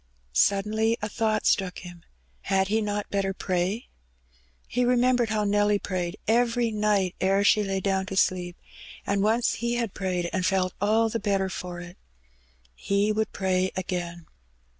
Suddenly a thought struck him. Had he not better pray ? He remembered how Nelly prayed every night ere aha lay down to sleepj and once he had prayed and felt all the better for it. He would pray again.